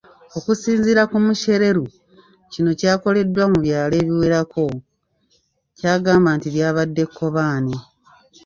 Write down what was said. Okusinziira ku Mushereru kino kyakoleddwa mu byalo ebiwerako kyabagamba nti lyabadde kkobaane.